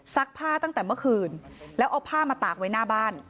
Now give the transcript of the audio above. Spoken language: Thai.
ผ้าตั้งแต่เมื่อคืนแล้วเอาผ้ามาตากไว้หน้าบ้าน